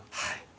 はい。